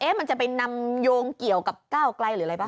มันจะไปนำโยงเกี่ยวกับก้าวไกลหรืออะไรป่